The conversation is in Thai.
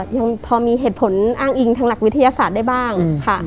ยังพอมีเหตุผลอ้างอิงทางหลักวิทยาศาสตร์ได้บ้างค่ะ